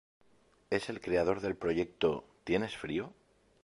Es el creador del proyecto "¿Tienes frío?